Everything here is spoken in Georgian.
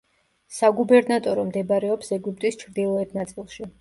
საგუბერნატორო მდებარეობს ეგვიპტის ჩრდილოეთ ნაწილში.